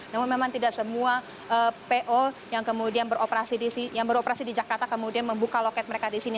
namun memang tidak semua po yang kemudian beroperasi di jakarta kemudian membuka loket mereka di sini